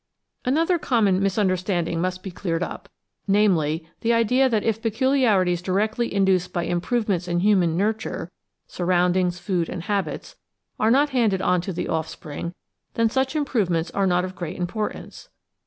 Another conmion misunderstanding must be cleared up, namely, the idea that if peculiarities directly induced by improve ments in human ''nurture'' (surroundings, food, and habits) are not handed on to the offspring, then such improvements are not of great importance.